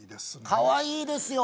かわいいですよ